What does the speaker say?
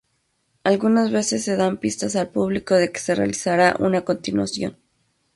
Algunas veces se dan pistas al público de que se realizará una continuación.